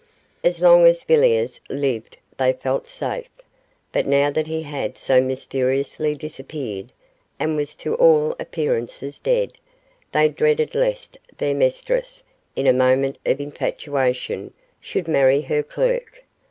As long as Villiers lived they felt safe, but now that he had so mysteriously disappeared, and was to all appearances dead, they dreaded lest their mistress, in a moment of infatuation, should marry her clerk.